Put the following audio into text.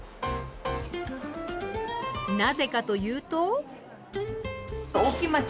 なぜかというと。